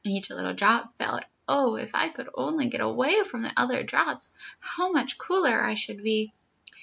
Each little drop felt, 'Oh, if I could only get away from the other drops, how much cooler I should be!'